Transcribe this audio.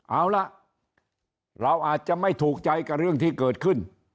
เอาล่ะเราอาจจะไม่ถูกใจกับเรื่องที่เกิดขึ้น